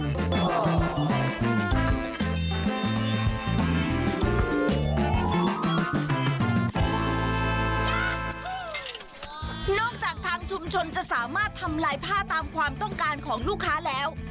นอกจากทางชุมชนจะสามารถทำลายผ้าตามความต้องการของลูกค้าแล้ว